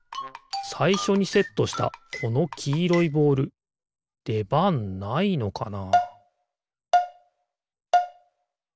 さいしょにセットしたこのきいろいボールでばんないのかな？